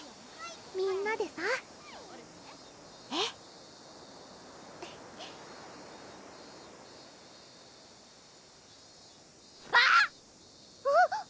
みんなでさええああっ！